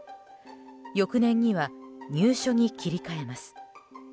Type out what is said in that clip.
翌年には入所に切り替えます。